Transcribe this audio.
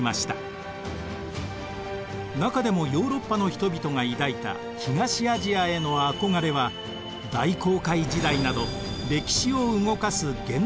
中でもヨーロッパの人々が抱いた東アジアへの憧れは大航海時代など歴史を動かす原動力となっていくのです。